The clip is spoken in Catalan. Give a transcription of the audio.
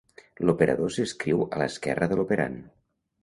L'operador s'escriu a l'esquerra de l'operand.